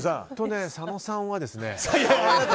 佐野さんはですね。